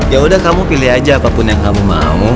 ya udah kamu pilih aja apapun yang kamu mau